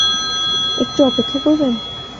একটু অপেক্ষা করবেন?